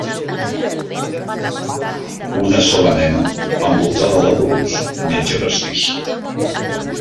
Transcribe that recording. Una sola nena envoltada d'adults menja pastís.